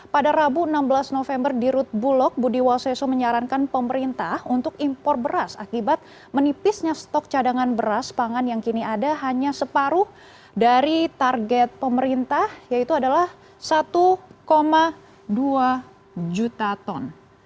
pada rabu enam belas november di rut bulog budi waseso menyarankan pemerintah untuk impor beras akibat menipisnya stok cadangan beras pangan yang kini ada hanya separuh dari target pemerintah yaitu adalah satu dua juta ton